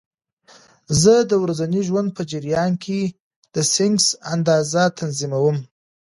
زه د ورځني ژوند په جریان کې د سنکس اندازه تنظیموم.